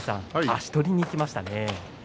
足取りにいきましたね。